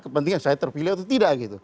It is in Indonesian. kepentingan saya terpilih atau tidak gitu